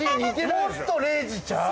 もっと礼二ちゃう？